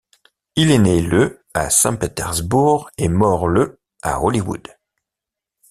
Il est né le à Saint-Pétersbourg et mort le à Hollywood.